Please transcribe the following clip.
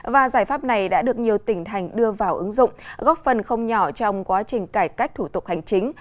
và giải pháp này đã được nhiều tỉnh thành đưa vào ứng dụng góp phần không nhỏ trong quá trình cải cách thủ tục hành chính